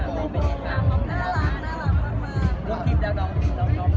พี่น้องน้องน่ารักน่ารักมาก